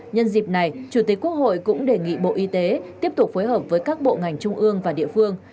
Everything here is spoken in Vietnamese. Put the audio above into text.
nhân dịp này chủ tịch quốc hội cũng đề nghị bộ y tế tiếp tục phối hợp với các bộ ngành trung ương và địa phương